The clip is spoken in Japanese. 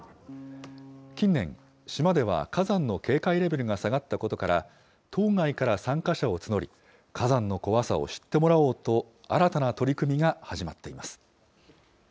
近年、島では火山の警戒レベルが下がったことから、島外から参加者を募り、火山の怖さを知ってもらおうと、新たな取り組みが始まっています。